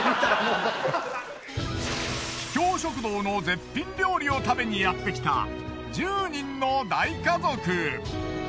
秘境食堂の絶品料理を食べにやってきた１０人の大家族！